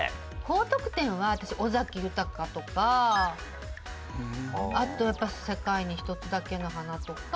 高得点は私尾崎豊とかあとやっぱ世界に一つだけの花とか。